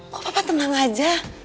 kok papa tenang aja